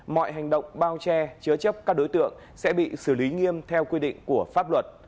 mọi hành động bao che chứa chấp các đối tượng sẽ bị xử lý nghiêm theo quy định của pháp luật